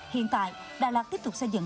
hiện tại đà lạt tiếp tục xây dựng